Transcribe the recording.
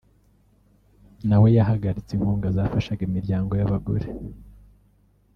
na we yahagaritse inkunga zafashaga imiryango y’abagore